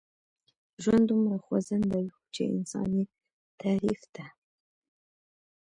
ژوند دومره خوځنده و چې انسان يې تعريف ته.